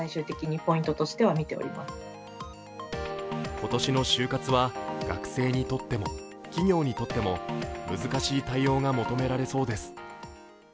今年の就活は学生にとっても企業にとっても難しい対応が求められそうです。